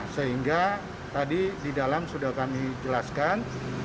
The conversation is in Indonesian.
sehingga tadi di dalam sudah kami jelaskan